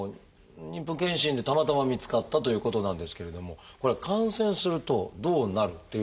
妊婦健診でたまたま見つかったということなんですけれどもこれは感染するとどうなるっていうのはあるんですか？